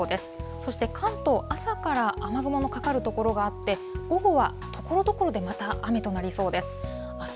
そして関東、朝から雨雲のかかる所があって、午後はところどころで、また雨となりそうです。